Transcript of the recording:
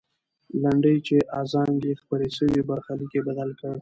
لنډۍ چې ازانګې یې خپرې سوې، برخلیک یې بدل کړ.